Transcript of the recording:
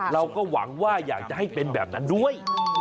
เราก็หวังว่าอยากจะให้เป็นแบบนั้นด้วย